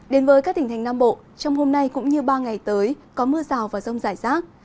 đến với các tỉnh thành nam bộ trong hôm nay cũng như ba ngày tới có mưa rào và rông rải rác